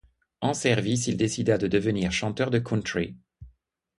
En service, il décida de devenir chanteur de country.